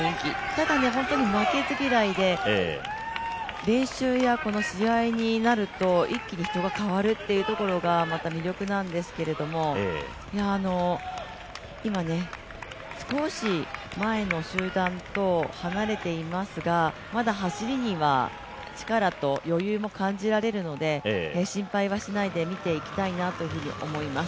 ただ、本当に負けず嫌いで、練習や試合になると一気に人が変わるっていうところがまた魅力なんですけれども、今、少し前の集団と離れていますがまだ走りには力と余裕も感じられるので心配はしないで見ていきたいなと思います。